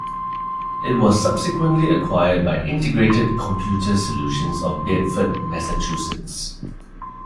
It was subsequently acquired by Integrated Computer Solutions of Bedford, Massachusetts.